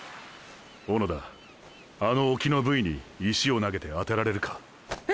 小野田あの沖のブイに石を投げて当てられるか？へ？